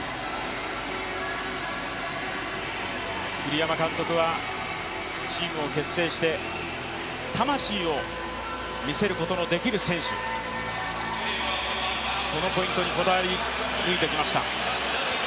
栗山監督はチームを結成して魂を見せることのできる選手、このポイントにこだわり抜いてきました。